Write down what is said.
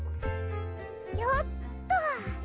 よっと。